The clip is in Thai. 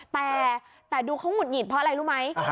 แต่ดูเขาหงุดหงิดเพราะอะไรรู้ไหม